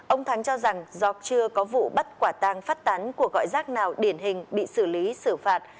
ông thắng cho rằng do chưa có vụ bắt quả tang phát tán cuộc gọi rác nào điển hình bị xử lý xử phạt